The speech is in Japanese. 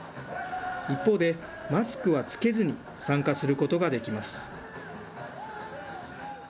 一方で、マスクは着けずに参加することができます。